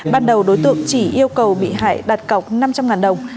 ban đầu đối tượng chỉ yêu cầu bị hại đặt cọc năm trăm linh đồng